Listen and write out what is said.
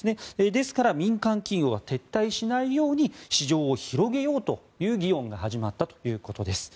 ですから民間企業が撤退しないように市場を広げようという議論が始まったということです。